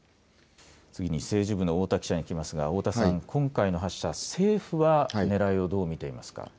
次に政治部の太田記者に聞きますが今回の発射、政府はねらいをどう見ていますか。